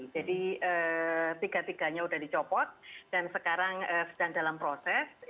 jadi tiga tiganya sudah dicopot dan sekarang sedang dalam proses